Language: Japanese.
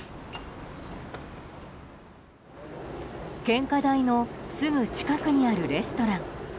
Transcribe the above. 献花台のすぐ近くにあるレストラン。